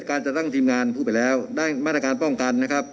การจัดตั้งทีมงานพูดไปแล้วได้มาตรการป้องกันนะครับ